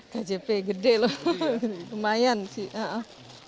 kjp gede loh lumayan sih